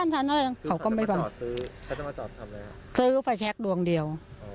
ซื้อไฟแชคดวงเดียว